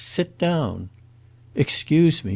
Sit down!" "Excuse me.